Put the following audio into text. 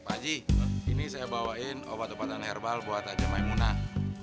pak haji ini saya bawain obat obatan herbal buat aja maymunah